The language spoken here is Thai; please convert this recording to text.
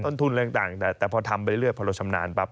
ทุนอะไรต่างแต่พอทำไปเรื่อยพอเราชำนาญปั๊